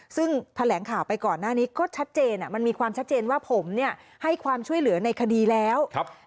ซึ่งแถลงข่าวไปก่อนหน้านี้ก็ชัดเจนมันมีความชัดเจนว่าผมเนี่ยให้ความช่วยเหลือในคดีแล้ว